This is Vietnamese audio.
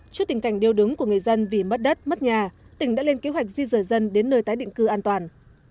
trước tình cảnh điêu đứng của người dân vì mất đất mất nhà tỉnh đã lên kế hoạch di rời dân đến nơi tái định cư an toàn